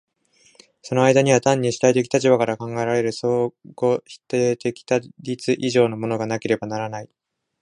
その間には単に主体的立場から考えられる相互否定的対立以上のものがなければならない。